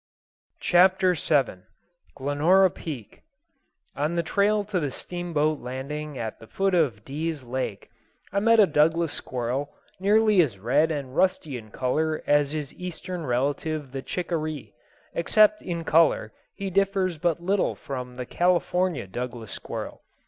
Chapter VII Glenora Peak On the trail to the steamboat landing at the foot of Dease Lake, I met a Douglas squirrel, nearly as red and rusty in color as his Eastern relative the chickaree. Except in color he differs but little from the California Douglas squirrel.